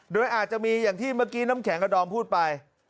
โดยอาจจะมีอย่างที่เมื่อกี้น้ำแข็งกับดอมพูดไป